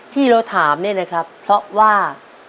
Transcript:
ที่เราถามเนี่ยนะครับเพราะว่า